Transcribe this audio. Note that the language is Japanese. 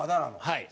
はい。